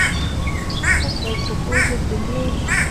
Tóc gáy của cô dựng đứng lên